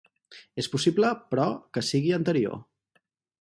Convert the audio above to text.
És possible però que sigui anterior.